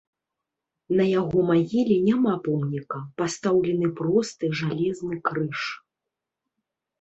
На яго магіле няма помніка, пастаўлены просты жалезны крыж.